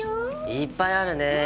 いっぱいあるね。